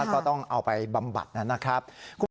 ก็ต้องเอาไปบำบัดนะครับ